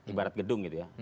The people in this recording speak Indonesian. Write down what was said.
ibarat gedung gitu ya